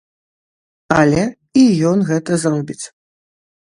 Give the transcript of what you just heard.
Але і ён гэта зробіць.